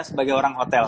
sebagai orang hotel